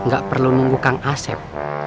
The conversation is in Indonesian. gak perlu nunggu kang asep